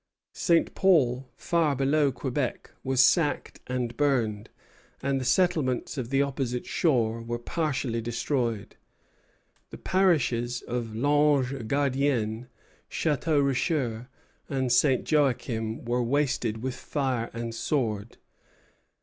St. Paul, far below Quebec, was sacked and burned, and the settlements of the opposite shore were partially destroyed. The parishes of L'Ange Gardien, Château Richer, and St. Joachim were wasted with fire and sword.